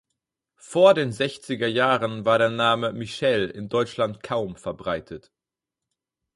Vor den sechziger Jahren war der Name Michelle in Deutschland kaum verbreitet.